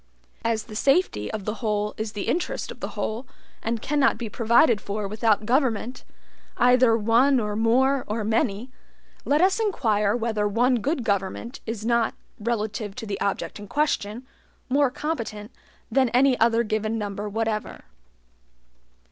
As the safety of the whole is the interest of the whole, and cannot be provided for without government, either one or more or many, let us inquire whether one good government is not, relative to the object in question, more competent than any other given number whatever.